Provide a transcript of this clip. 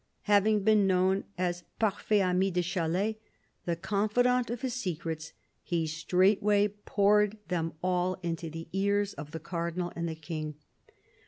Having been known as " parfait ami de Chalais," the confidant of his secrets, he straightway poured them all into the ears of the Cardinal and the King.